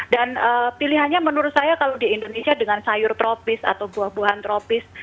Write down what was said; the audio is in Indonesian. dan pilihannya menurut saya kalau di indonesia dengan sayur tropis atau buah buahan tropis